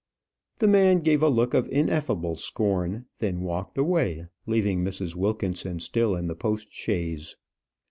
The man gave a look of ineffable scorn, and then walked away, leaving Mrs. Wilkinson still in the post chaise.